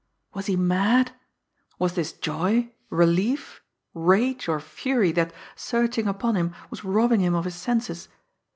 Was he mad! Was this joy, relief, rage or fury that, surging upon him, was robbing him of his senses!